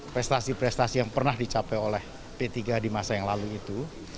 prestasi prestasi yang pernah dicapai oleh p tiga di masa yang lalu itu